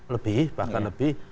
lebih bahkan lebih